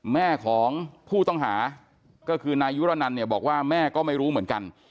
แม่ของผู้ต้องหาก็คือนายยุรนันเนี่ยบอกว่าแม่ก็ไม่รู้เหมือนกัน